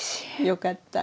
よかった。